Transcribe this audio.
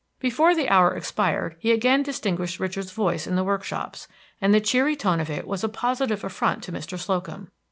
Before the hour expired he again distinguished Richard's voice in the workshops, and the cheery tone of it was a positive affront to Mr. Slocum.